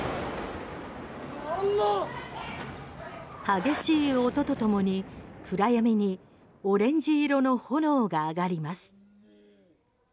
激しい音とともに暗闇にオレンジ色の炎が上がります。